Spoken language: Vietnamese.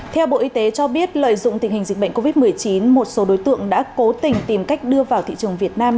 theo bộ y tế cho biết lợi dụng tình hình dịch bệnh covid một mươi chín một số đối tượng đã cố tình tìm cách đưa vào thị trường việt nam